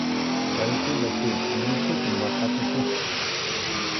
Paykuna si nisyuta maqachikuqku.